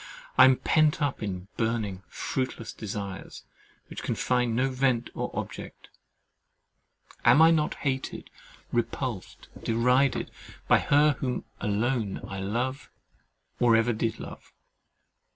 I am pent up in burning, fruitless desires, which can find no vent or object. Am I not hated, repulsed, derided by her whom alone I love or ever did love?